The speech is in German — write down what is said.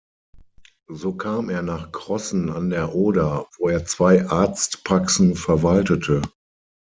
So kam er nach Crossen an der Oder, wo er zwei Arztpraxen verwaltete.